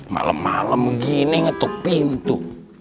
malem malem gini ngetuk pintu